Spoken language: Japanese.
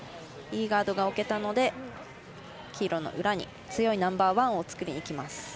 いいガードが置けたので黄色の裏に強いナンバーワンを作りにいきます。